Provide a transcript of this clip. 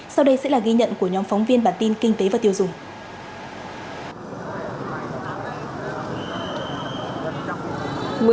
sau đây sẽ là ghi nhận của nhóm phóng viên bản tin kinh tế và tiêu dùng